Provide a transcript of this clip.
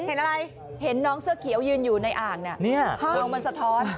เห็นอะไรเห็นน้องเสื้อเขียวยืนอยู่ในอ่างเนี่ยภาพวงมันสะท้อน